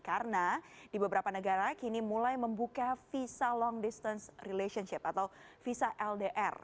karena di beberapa negara kini mulai membuka visa long distance relationship atau visa ldr